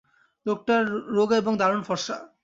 লোকটি রোগা এবং দারুণ ফর্সা।